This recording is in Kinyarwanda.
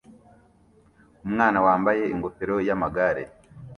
Umwana wambaye ingofero yamagare